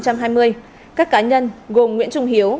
các cá nhân gồm nguyễn trung hiếu